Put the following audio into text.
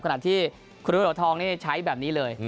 ขณะที่คุณโดยโดยทองใช้แบบนี้เลย